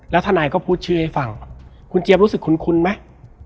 ทนายก็พูดชื่อให้ฟังคุณเจี๊ยบรู้สึกคุ้นไหม